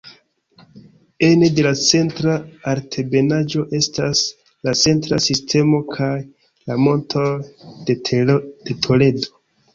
Ene de la Centra Altebenaĵo estas la Centra Sistemo kaj la Montoj de Toledo.